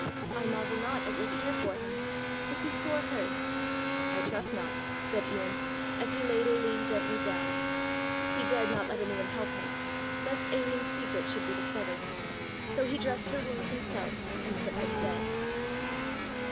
"I marvel not at your care for him. Is he sore hurt?" "I trust not," said Ian, as he laid Aline gently down. He dared not let any one help him, lest Aline's secret should be discovered; so he dressed her wounds himself and put her to bed.